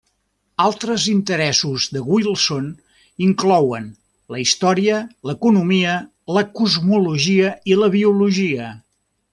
Altres interessos de Wilson inclouen: la història, l'economia, la cosmologia i la biologia.